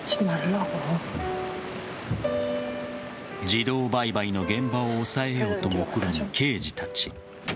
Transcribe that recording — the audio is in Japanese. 児童売買の現場を押さえようともくろむ刑事たち。